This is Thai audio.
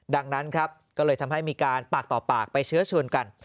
ดังนั้นครับก็เลยทำให้มีการปากต่อปากไปเชื้อชวนกัน